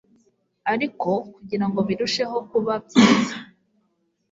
ariko kugirango birusheho kuba byiza